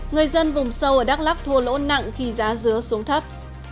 người dân vùng sâu ở đắk lắk thua lỗ nặng khi giá dứa xuống thấp